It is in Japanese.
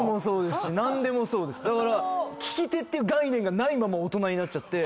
だから利き手っていう概念がないまま大人になっちゃって。